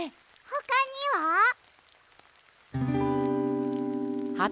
ほかには？